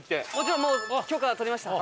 もう許可は取りました。